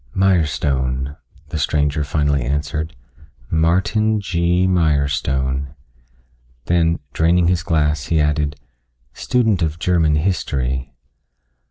"Mirestone," the stranger finally answered, "Martin G. Mirestone." Then, draining his glass, he added, "Student of German history."